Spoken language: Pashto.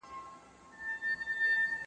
خپلې موخې ته د رسېدو لپاره مټې راونغاړه.